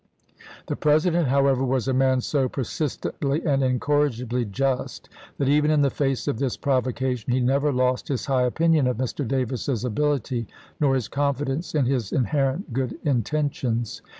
The President, however, was a man so persistently and incorrigibly just, that, even in the face of this provocation, he never lost his high opinion of Mr. Davis's ability nor his confidence in his inherent good intentions.